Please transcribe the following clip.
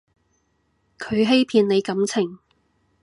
佢欺騙你感情